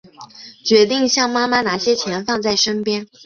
决定向妈妈拿些钱放在身边